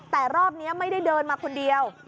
แต่รอบนี้ไม่ได้เดินมาคนเดียว